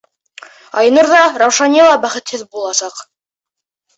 Айнур ҙа, Раушания ла бәхетһеҙ буласаҡ.